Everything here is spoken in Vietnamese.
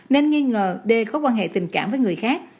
nên nghi ngờ d có quan hệ tình cảm với người khác